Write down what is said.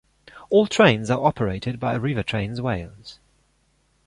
All trains are operated by Arriva Trains Wales.